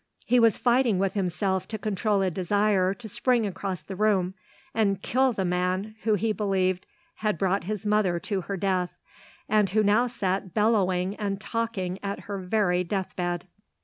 He was fighting with himself to control a desire to spring across the room and kill the man who he believed had brought his mother to her death and who now sat bellowing and talking at her very death bed.